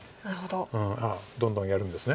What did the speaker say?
ああどんどんやるんですね。